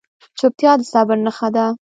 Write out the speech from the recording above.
چپتیا، د صبر نښه ده.